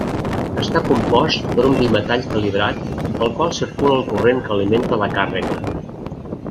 Està compost per un bimetall calibrat pel qual circula el corrent que alimenta la càrrega.